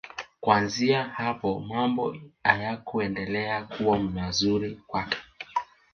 Kuanzia hapo mambo hayakuendelea kuwa mazuri kwake.